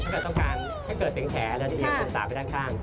ถ้าเกิดเสียงแซแนร์แล้วเสียงกระเดืองสามารถไปด้านข้าง